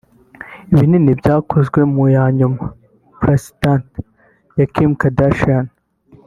Ibinini byakozwe mu ya nyuma (placenta) ya Kim Kardashian